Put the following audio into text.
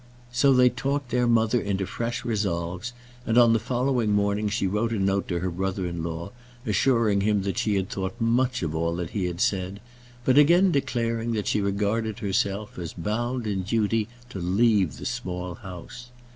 So they talked their mother into fresh resolves, and on the following morning she wrote a note to her brother in law, assuring him that she had thought much of all that he had said, but again declaring that she regarded herself as bound in duty to leave the Small House.